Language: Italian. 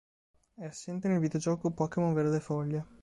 È assente nel videogioco Pokémon Verde Foglia.